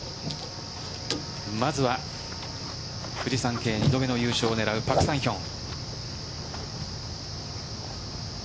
まずはフジサンケイ２度目の優勝を狙うパク・サンヒョン。